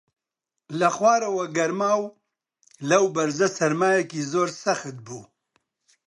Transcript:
لە خوارەوە گەرما و لەو بەرزە سەرمایەکی زۆر سەخت بوو